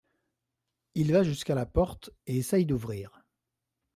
Il va jusqu’à la porte et essaie d’ouvrir.